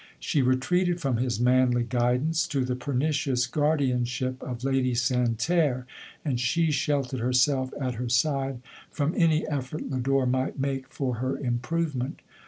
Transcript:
She retreated from his manly 118 LODORE. guidance, to the pernicious guardianship of Lady Santerre, and she sheltered herself at her side, from any effort Lodore might make for her improvement.